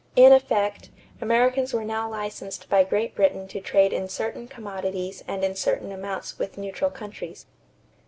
In effect, Americans were now licensed by Great Britain to trade in certain commodities and in certain amounts with neutral countries.